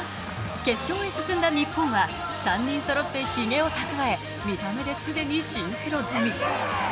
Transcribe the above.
決勝へ進んだ日本は、３人そろってひげをたくわえ、見た目で既にシンクロ済み。